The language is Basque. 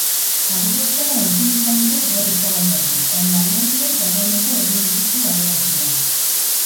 Adierazpena ezin izan dute gaur eztabaidatu, baina alderdiek dagoeneko egin dituzte balorazioak.